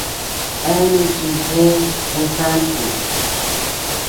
Eanu chi jëe kusanto.